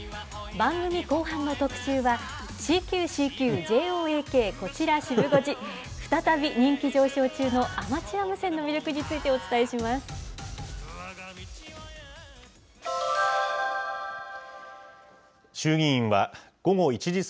番組後半の特集は、ＣＱ、ＣＱ、ＪＯＡＫ、こちらシブ５時、再び人気上昇中のアマチュア無線の魅力についてお伝えします。